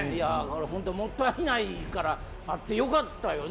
本当もったいないからあって良かったよね。